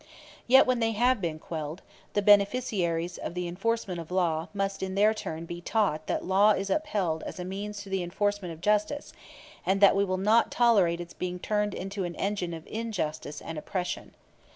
Yet when they have been quelled, the beneficiaries of the enforcement of law must in their turn be taught that law is upheld as a means to the enforcement of justice, and that we will not tolerate its being turned into an engine of injustice and oppression.